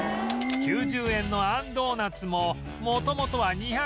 ９０円のあんドーナツも元々は２０６円